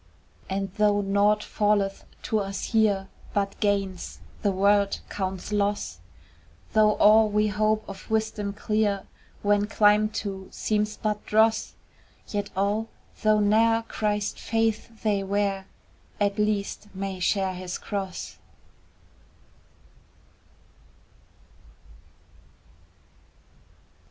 And though naught falleth to us here But gains the world counts loss, Though all we hope of wisdom clear When climbed to seems but dross, Yet all, though ne'er Christ's faith they wear, At least may share his cross.